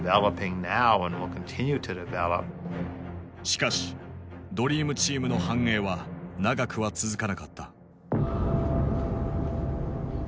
しかしドリームチームの繁栄は長くは続かなかった。